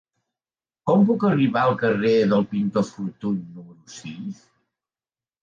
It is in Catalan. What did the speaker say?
Com puc arribar al carrer del Pintor Fortuny número sis?